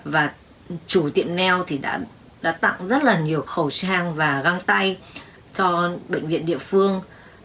và chủ tiệm neo thì đã tặng rất là nhiều khẩu trang và găng tay cho bệnh viện địa phương